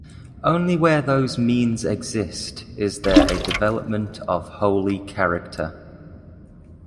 Only where those means exist is there a development of holy character.